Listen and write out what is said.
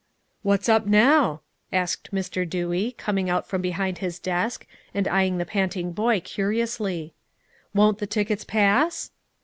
"What's up now?" asked Mr. Dewey, coming out from behind his desk, and eyeing the panting boy curiously. "Won't the tickets pass?"